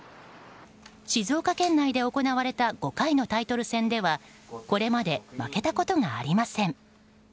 静岡県内で行われた５回のタイトル戦ではこれまで負けたことがありません。